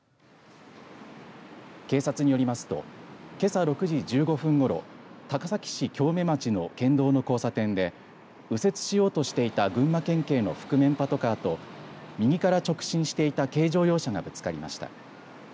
警察によりますとけさ６時１５分ごろ高崎市京目町の県道の交差点で右折しようとしてた群馬県警の覆面パトカーと右から直進していた軽乗用車がぶつかりました。